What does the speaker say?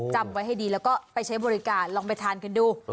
จำไว้ให้ดีแล้วก็ไปใช้บริการลองไปทานกันดู